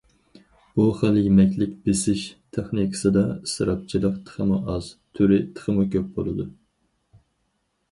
بۇ خىل يېمەكلىك بېسىش تېخنىكىسىدا ئىسراپچىلىق تېخىمۇ ئاز، تۈرى تېخىمۇ كۆپ بولىدۇ.